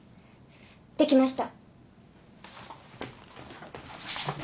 できました。